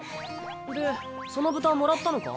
でその豚もらったのか？